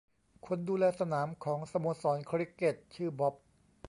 คนดูแลสนามของสโมสรคริกเกตชื่อบ๊อบ